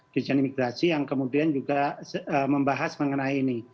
di jenis imigrasi yang kemudian juga membahas mengenai ini